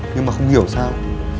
nhưng mà không hiểu sao